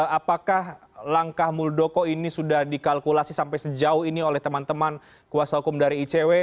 apakah langkah muldoko ini sudah dikalkulasi sampai sejauh ini oleh teman teman kuasa hukum dari icw